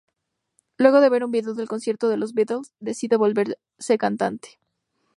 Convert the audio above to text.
Luego de ver un video del concierto de Los Beatles, decide volverse cantante.